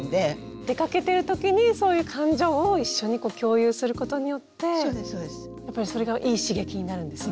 出かけてる時にそういう感情を一緒に共有することによってやっぱりそれがいい刺激になるんですね。